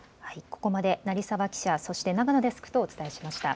ここまで成澤記者、そして長野デスクとお伝えしました。